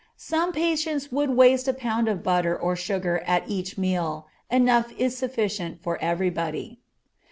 Some patients would waste a pound of butter or sugar at each meal; enough is sufficient for anybody.